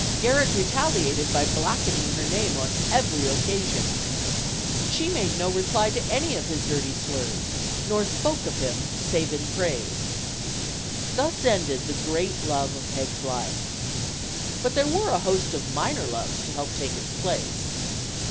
Garrick re taliated by blackening her name on every occasion. She made no reply to any of his dirty slurs; nor spoke of him save in praise. Thus ended the great love of Peg's life. But there were a host of minor loves to help take its place.